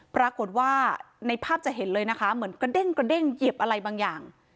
ปรากฏว่าในภาพจะเห็นเลยนะคะเหมือนกระเด้งกระเด้งเหยียบอะไรบางอย่าง